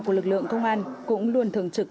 của lực lượng công an cũng luôn thường trực